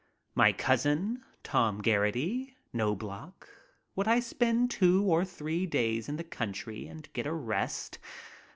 My cousin, Tom Geraghty, Knobloch — would I spend two or three days in the country and get a rest